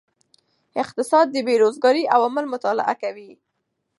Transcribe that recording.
اقتصاد د بیروزګارۍ عوامل مطالعه کوي.